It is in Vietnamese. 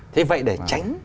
thế vậy để tránh